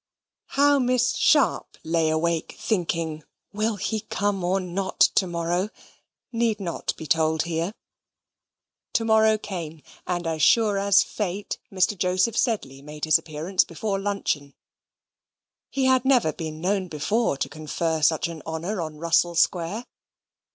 How Miss Sharp lay awake, thinking, will he come or not to morrow? need not be told here. To morrow came, and, as sure as fate, Mr. Joseph Sedley made his appearance before luncheon. He had never been known before to confer such an honour on Russell Square.